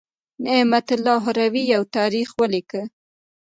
نعمت الله هروي یو تاریخ ولیکه.